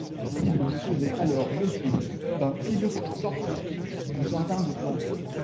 Il me faisait alors l’effet d’un tigre sorti du Jardin-des-Plantes.